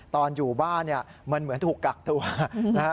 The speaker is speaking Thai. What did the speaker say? ตอนอยู่บ้านเนี่ยมันเหมือนถูกกักตัวนะฮะ